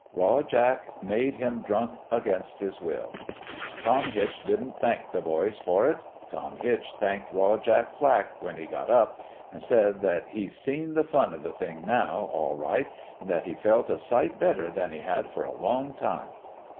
Raw Jack made him drunk against his will. Tom Hitch didn't thank the boys for it : Tom Hitch thanked Raw Jack Flack, when he got up, an' said that he seen the fun o' the thing now, all right, an' that he felt a sight better than he had for a long time.